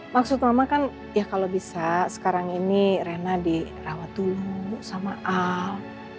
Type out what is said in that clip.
maksud mama kan ya kalau bisa sekarang ini rena dirawat dulu sama al